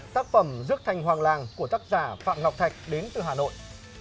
tác phẩm rước thành hoàng làng của tác giả phạm ngọc thạch đến từ hà nội